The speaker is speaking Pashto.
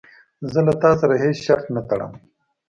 زه له تا سره هیڅ شرط نه ټړم.